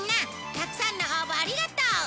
たくさんの応募ありがとう！